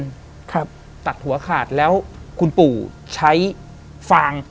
โดนเอ็นตัดหัวขาดแล้วคุณปู่ใช้ฟาง